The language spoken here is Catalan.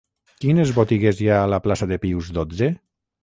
Quines botigues hi ha a la plaça de Pius dotze?